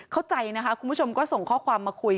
เข้าใจนะคะคุณผู้ชมก็ส่งข้อความมาคุย